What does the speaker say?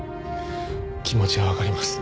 気持ちはわかります。